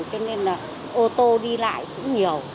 cho nên là ô tô đi lại cũng nhiều